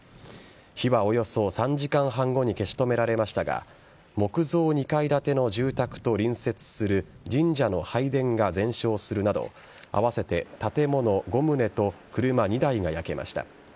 火はおよそ３時間半後に消し止められましたが木造２階建ての住宅と隣接する神社の拝殿が全焼するなど合わせて建物５棟と車２台が焼けました。